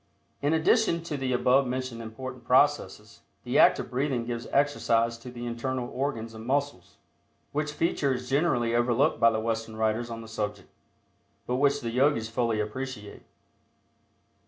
In addition to the above mentioned important processes the act of breathing gives exercise to the internal organs and muscles, which feature is generally overlooked by the Western writers on the subject, but which the Yogis fully appreciate.